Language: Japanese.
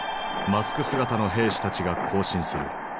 マスク姿の兵士たちが行進する。